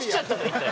一体。